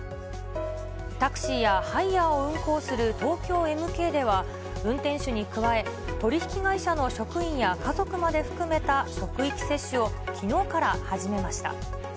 タクシーやハイヤーを運行する東京エムケイでは、運転手に加え、取り引き会社の職員や、家族まで含めた職域接種を、きのうから始めました。